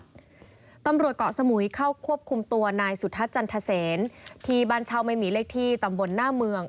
ตำรวจเกาะสมุยเข้าควบคุมตัวนายสุทัศน์จันทเซนที่บ้านเช่าไม่มีเลขที่ตำบลหน้าเมือง